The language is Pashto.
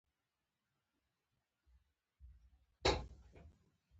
ځکه یې اشتراکي نومځري بولي.